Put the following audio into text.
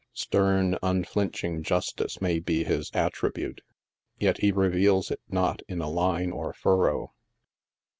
Stern, unflinching justice may be his attribute, yet he reveals it not in a line or furrow.